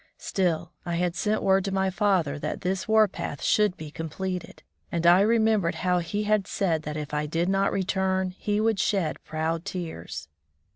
Still, I had sent word to my father that this war path should be completed, and I remembered how he had said that if I did not return, he would shed proud tears.